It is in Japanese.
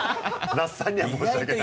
那須さんには申し訳ないけど。